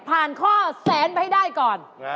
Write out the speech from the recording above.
ผ่านข้อ๑๐๐๐๐๐บาทไปให้ได้ก่อน